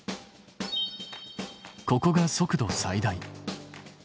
ここが速度最大。